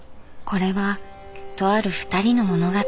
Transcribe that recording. これはとあるふたりの物語。